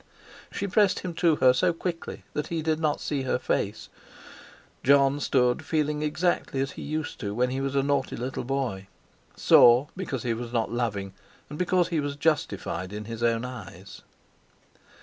She pressed him to her so quickly that he did not see her face. Jon stood feeling exactly as he used to when he was a naughty little boy; sore because he was not loving, and because he was justified in his own eyes.